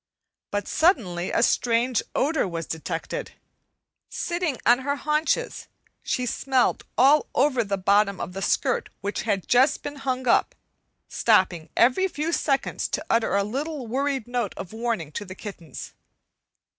But suddenly a strange odor was detected. Sitting on her haunches she smelled all over the bottom of the skirt which had just been hung up, stopping every few seconds to utter a little worried note of warning to the kittens.